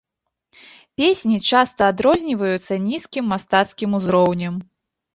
Песні часта адрозніваюцца нізкім мастацкім узроўнем.